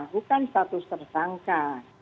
bukan status tersangka